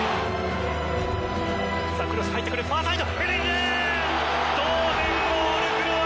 クロス入ってくるファーサイド。